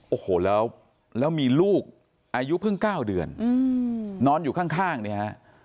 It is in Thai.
โอ้โหแล้วมีลูกอายุเพิ่ง๙เดือนนอนอยู่ข้างเนี่ยฮะ